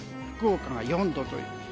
福岡が４度という。